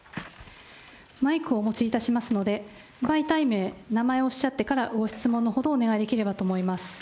マイクをお持ちいたしますので、媒体名、名前をおっしゃってから、ご質問のほどをお願いできればと思います。